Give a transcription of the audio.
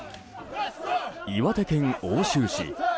岩手県奥州市。